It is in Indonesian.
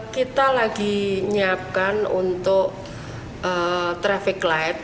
kita lagi menyiapkan untuk traffic light